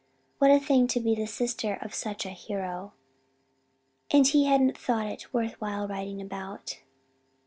What a thing to be the sister of such a hero! And he hadn't thought it worth while writing about.